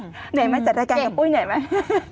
เหนื่อยไหมจัดรายการกับปุ้ยเหนื่อยไหม